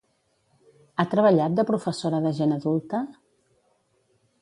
Ha treballat de professora de gent adulta?